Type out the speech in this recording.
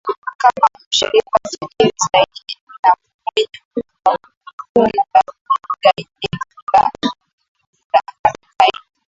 kama mshirika tajiri zaidi na mwenye nguvu wa kundi la kigaidi la al Qaida